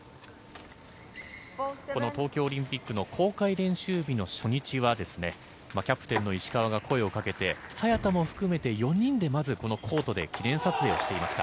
東京オリンピックの公開練習日の初日は、キャプテンの石川が声をかけて、早田も含めて４人でまずコートで記念撮影をしていました。